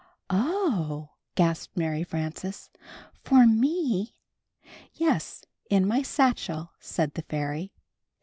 7' Oh!" gasped Mary Frances, "for me?" "Yes, in my satchel," said the fairy.